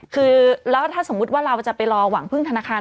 คือแล้วถ้าสมมุติว่าเราจะไปรอหวังพึ่งธนาคาร